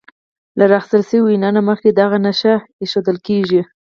له راخیستل شوې وینا نه مخکې دغه نښه ایښودل کیږي.